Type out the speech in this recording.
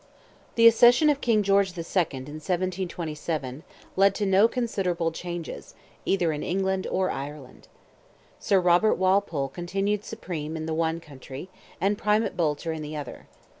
The accession of King George II. in 1727, led to no considerable changes, either in England or Ireland. Sir Robert Walpole continued supreme in the one country, and Primate Boulter in the other.